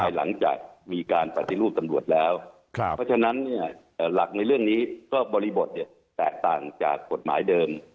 หลังจากมีการปฏิรูปตำรวจแล้วเพราะฉะนั้นหลักในเรื่องนี้ก็บริบทแตกต่างจากกฎหมายเดิม